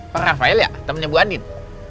pak rafael ya temannya bu andin